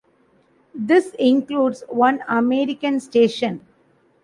This includes one American station.